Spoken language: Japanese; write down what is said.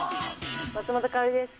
松本薫です。